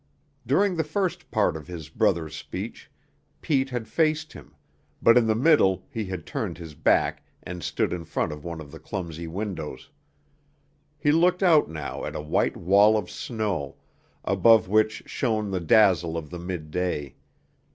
During the first part of his brother's speech, Pete had faced him, but in the middle he had turned his back and stood in front of one of the clumsy windows. He looked out now at a white wall of snow, above which shone the dazzle of the midday.